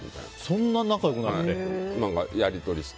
そんな仲良くなって？